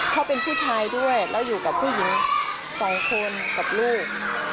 เขาเป็นผู้ชายด้วยแล้วอยู่กับผู้หญิง๒คนกับลูก